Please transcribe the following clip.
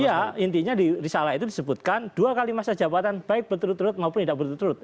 iya intinya di risalah itu disebutkan dua kali masa jabatan baik berturut turut maupun tidak berturut turut